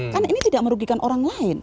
karena ini tidak merugikan orang lain